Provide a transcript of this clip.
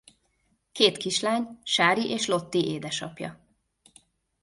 Két kislány Sári és Lotti édesapja.